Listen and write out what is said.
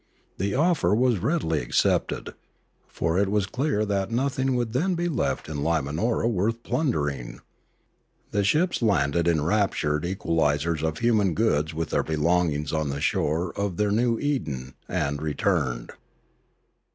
The offer was readily accepted; for it was clear that nothing would then be left in Limanora worth plundering. The ships landed the enraptured equalisers of human goods with their belongings on the shore of their new Eden, and returned.